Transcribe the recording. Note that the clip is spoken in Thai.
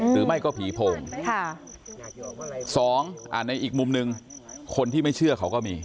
หรือไม่ก็ผีโพงสองในอีกมุมหนึ่งคนที่ไม่เชื่อเขาก็มี